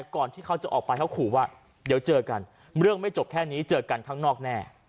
ก่อนที่เขาจะออกไปเขาขู่ว่าเดี๋ยวเจอกันเรื่องไม่จบแค่นี้เจอกันข้างนอกแน่